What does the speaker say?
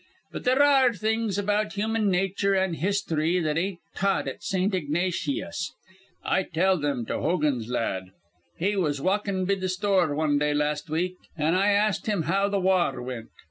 "But there ar re things about human nature an' histhry that ain't taught at Saint Ignateeus'. I tell thim to Hogan's la ad. "He was walkin' be th' store wan day las' week, an' I ast him how th' wa ar wint.